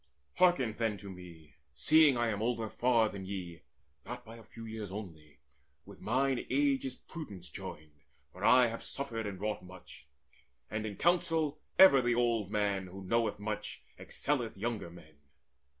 Hearken then to me, Seeing that I am older far than ye, Not by a few years only: with mine age Is prudence joined, for I have suffered and wrought Much; and in counsel ever the old man, Who knoweth much, excelleth younger men.